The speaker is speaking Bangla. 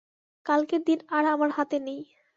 কালকের দিন আর আমার হাতে নেই।